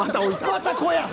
また「こ」や。